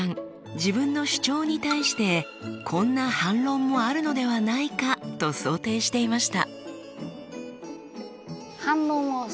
自分の主張に対して「こんな反論もあるのではないか」と想定していました。